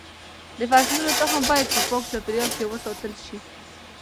د فصلونو تخم باید په پاک چاپېریال کې وساتل شي.